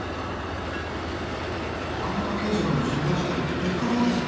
袴田啓二郎の傷害事件の４日後ですね。